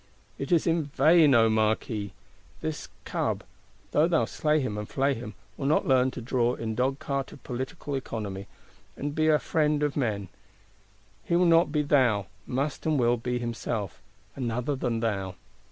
It is in vain, O Marquis! This cub, though thou slay him and flay him, will not learn to draw in dogcart of Political Economy, and be a Friend of Men; he will not be Thou, must and will be Himself, another than Thou.